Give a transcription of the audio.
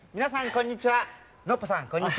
こんにちは。